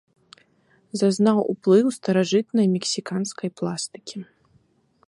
Зазнаў уплыў старажытнай мексіканскай пластыкі.